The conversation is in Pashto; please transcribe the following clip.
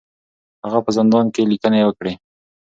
هغه په زندان کې لیکنې وکړې.